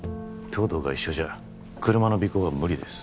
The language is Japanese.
東堂が一緒じゃ車の尾行は無理です